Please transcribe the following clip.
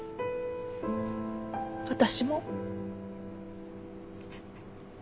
私も。